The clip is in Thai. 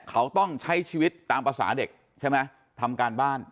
เขาต้องใช้ชีวิตตามภาษาเด็กใช่ไหมทำการบ้าน